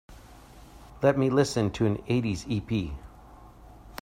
Let me listen to an eighties ep.